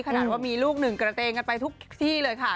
ขนาดว่ามีลูกหนึ่งกระเตงกันไปทุกที่เลยค่ะ